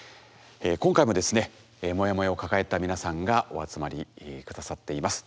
今回もですねモヤモヤを抱えた皆さんがお集まり下さっています。